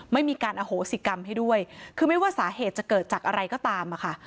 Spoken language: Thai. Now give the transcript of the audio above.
ไม่มีการอโหสิกรรมให้ด้วยคือไม่ว่าสาเหตุจะเกิดจากอะไรก็ตามอะค่ะ